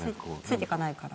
ついていかないから。